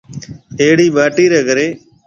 اھڙِي ٻاٽِي رَي ڪري۔